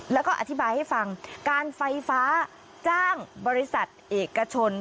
แล้วก็อธิบายให้ฟังการไฟฟ้าจ้างบริษัทเอกชน